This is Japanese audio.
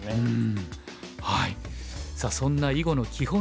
さあそんな囲碁の基本